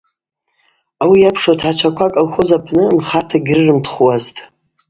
Ауи йапшу атгӏачваква аколхоз апны нхарта гьрырымтхуазтӏ.